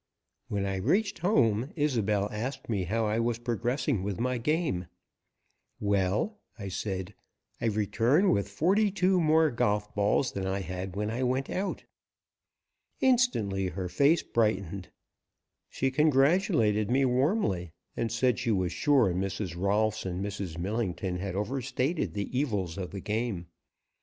When I reached home Isobel asked me how I was progressing with my game. "Well," I said, "I return with forty two more golf balls than I had when I went out." Instantly her face brightened. She congratulated me warmly and said she was sure Mrs. Rolfs and Mrs. Millington had overstated the evils of the game.